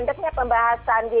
untuk mengamankan perhatian serius